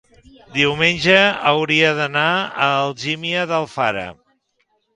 Diumenge hauria d'anar a Algímia d'Alfara.